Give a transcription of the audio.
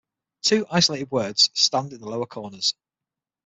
Two isolated words stand in the lower corners.